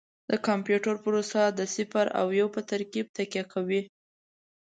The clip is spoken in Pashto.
د کمپیوټر پروسه د صفر او یو په ترکیب تکیه کوي.